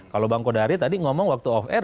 kalau bang kodari tadi ngomong waktu off air